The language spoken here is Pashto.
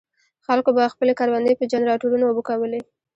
خلکو به خپلې کروندې په جنراټورونو اوبه کولې.